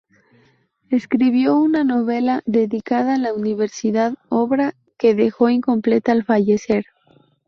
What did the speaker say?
Escribió una novela dedicada a la universidad, obra que dejó incompleta al fallecer.